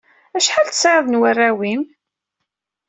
Acḥal tesɛiḍ n warraw-im?